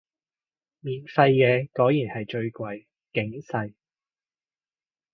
免費嘢果然係最貴，警世